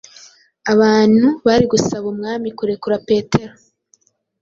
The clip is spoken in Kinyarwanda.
abantu bari gusaba umwami kurekura Petero.